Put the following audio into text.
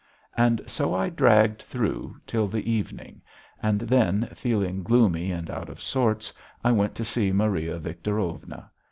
And so I dragged through till the evening and then, feeling gloomy and out of sorts, I went to see Maria Victorovna.